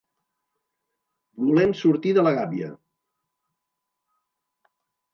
Volem sortir de la gàbia.